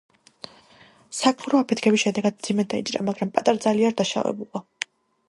საქმრო, აფეთქების შედეგად, მძიმედ დაიჭრა, მაგრამ პატარძალი არ დაშავებულა.